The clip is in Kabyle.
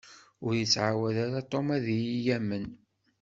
Ur ittɛawed ara Tom ad yi-yamen.